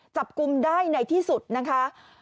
จับกลุ่มได้ในที่สุดนะคะ